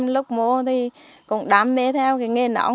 lúc mưa thì cũng đam mê theo nghề nón